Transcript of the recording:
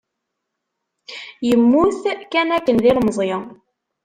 Yemmut kanakken d ilemẓi.